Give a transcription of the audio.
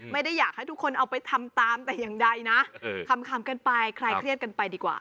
ไม่ได้อยากให้ทุกคนเอาไปทำตามแต่อย่างใดนะขำกันไปคลายเครียดกันไปดีกว่า